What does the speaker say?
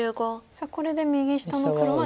さあこれで右下の黒は。